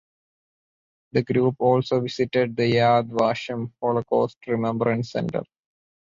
The group also visited the Yad Vashem Holocaust Remembrance Center.